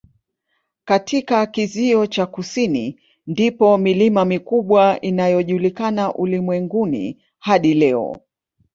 Katika kizio cha kusini ndipo milima mikubwa inayojulikana ulimwenguni hadi leo.